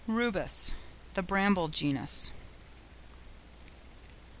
RUBUS.—The bramble genus.